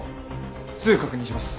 すぐ確認します。